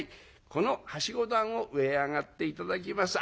この梯子段を上へ上がって頂きます。